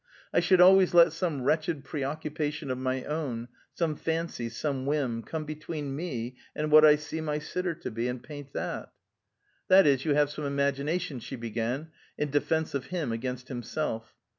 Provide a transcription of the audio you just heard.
I should always let some wretched preoccupation of my own some fancy, some whim come between me and what I see my sitter to be, and paint that." "That is, you have some imagination," she began, in defence of him against himself.